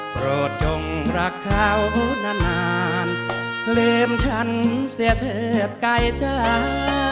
โปรดจงรักเขานานลืมฉันเสียเธอใกล้จ้าน